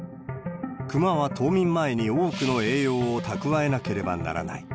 クマは冬眠前に多くの栄養を蓄えなければならない。